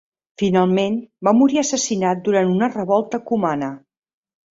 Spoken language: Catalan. Finalment, va morir assassinat durant una revolta cumana.